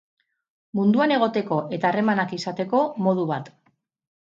Munduan egoteko eta harremanak izateko modu bat.